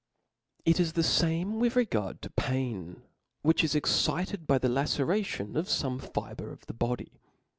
It is the fame with regard to pain ; which is excited by the laceration of fome fibre of the body.